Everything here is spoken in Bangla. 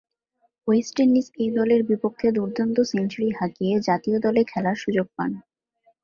ওয়েস্ট ইন্ডিজ এ দলের বিপক্ষে দূর্দান্ত সেঞ্চুরি হাঁকিয়ে জাতীয় দলে খেলার সুযোগ পান।